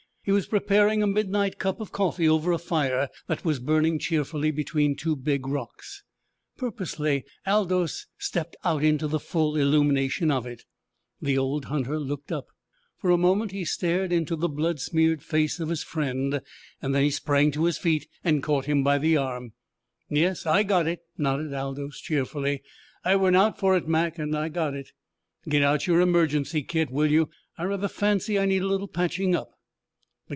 He was preparing a midnight cup of coffee over a fire that was burning cheerfully between two big rocks. Purposely Aldous stepped out into the full illumination of it. The old hunter looked up. For a moment he stared into the blood smeared face of his friend; then he sprang to his feet, and caught him by the arm. "Yes, I got it," nodded Aldous cheerfully. "I went out for it, Mac, and I got it! Get out your emergency kit, will you? I rather fancy I need a little patching up."